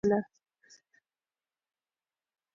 د کابل صوبه دار غلجیو ته په میدان کې ماتې نه شوه ورکولای.